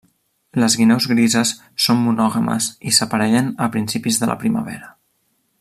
Les guineus grises són monògames i s'aparellen a principis de la primavera.